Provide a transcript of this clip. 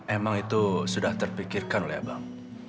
emang itu sudah terpikirkan oleh abang